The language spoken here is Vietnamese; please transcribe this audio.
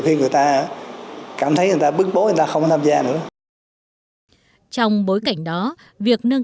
khi người ta cảm thấy người ta bức bố người ta không tham gia nữa trong bối cảnh đó việc nâng